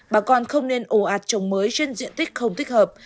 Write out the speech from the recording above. bà con không nên ồ ạt trồng mới trên diện tích không thích hợp